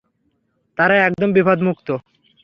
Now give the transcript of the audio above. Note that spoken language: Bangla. তারা একদম বিপদমুক্ত।